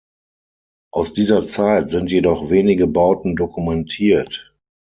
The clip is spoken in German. Aus dieser Zeit sind jedoch wenige Bauten dokumentiert.